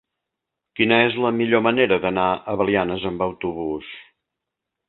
Quina és la millor manera d'anar a Belianes amb autobús?